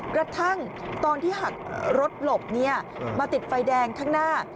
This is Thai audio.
กระทั่งตอนที่หักรถหลบมาติดไฟแดงข้างหน้า